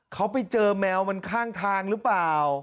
เขาไปเจอแมวมันข้างทางหรือเปล่า